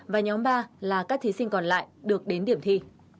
và nhóm ba là các thí sinh còn lại được đến điểm thi